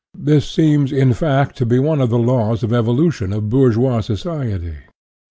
This seems, in fact, to be one of the laws of evolution of bourgeois society.